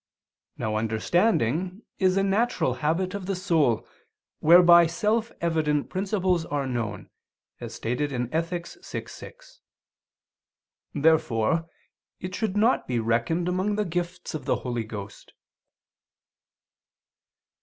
Now understanding is a natural habit of the soul, whereby self evident principles are known, as stated in Ethic. vi, 6. Therefore it should not be reckoned among the gifts of the Holy Ghost.